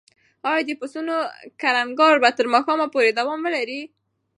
ایا د پسونو کړنګار به تر ماښامه پورې دوام ولري؟